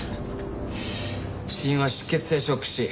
死因は出血性ショック死。